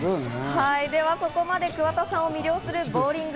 ではそこまで桑田さんを魅了するボウリング。